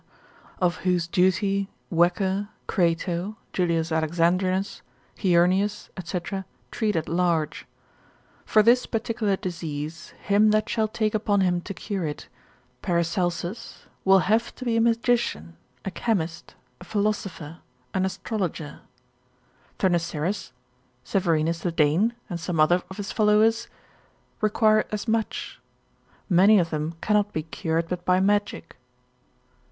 of whose duty Wecker, Antid. cap. 2. and Syntax. med. Crato, Julius Alexandrinus medic. Heurnius prax. med. lib. 3. cap. 1. &c. treat at large. For this particular disease, him that shall take upon him to cure it, Paracelsus will have to be a magician, a chemist, a philosopher, an astrologer; Thurnesserus, Severinus the Dane, and some other of his followers, require as much: many of them cannot be cured but by magic.